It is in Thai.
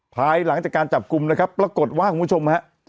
ภายหลังจากการจับกลุ่มนะครับปรากฏว่าคุณผู้ชมฮะ